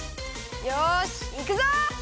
よしいくぞ！